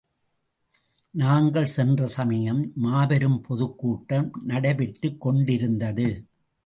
நாங்கள் சென்ற சமயம் மாபெரும் பொதுக்கூட்டம் நடைபெற்றுக் கொண்டிருந்தது.